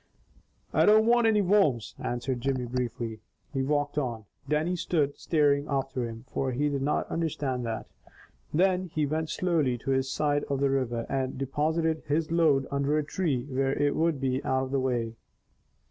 "I don't want any worms," answered Jimmy briefly. He walked on. Dannie stood staring after him, for he did not understand that. Then he went slowly to his side of the river, and deposited his load under a tree where it would be out of the way.